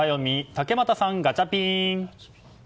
竹俣さん、ガチャピン。